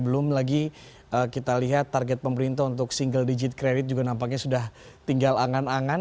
belum lagi kita lihat target pemerintah untuk single digit credit juga nampaknya sudah tinggal angan angan